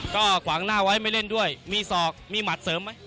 ก็ขวางหน้าไว้ไม่เล่นด้วยมีศอกมีหมัดเสริมไหม